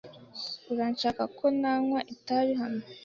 Urashaka ko nanywa itabi hano?